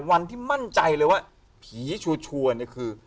วันที่มั่นใจเลยว่าผีชัวร์เนี่ยคือ